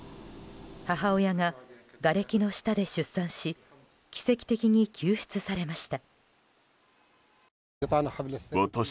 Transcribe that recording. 母親ががれきの下で出産し奇跡的に救出されました。